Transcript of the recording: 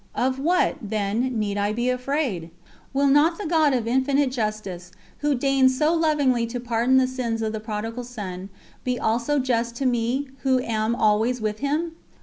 Of what, then, need I be afraid? Will not the God of Infinite Justice, Who deigns so lovingly to pardon the sins of the Prodigal Son, be also just to me "who am always with Him"?